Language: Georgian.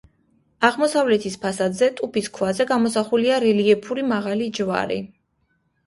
აღმოსავლეთის ფასადზე, ტუფის ქვაზე, გამოსახულია რელიეფური მაღალი ჯვარი.